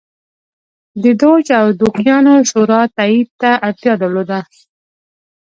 د دوج او دوکیانو شورا تایید ته اړتیا درلوده